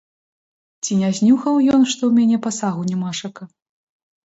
Ці не знюхаў ён, што ў мяне пасагу нямашака?